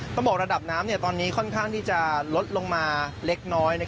ต้องบอกระดับน้ำตอนนี้ค่อนข้างที่จะลดลงมาเล็กน้อย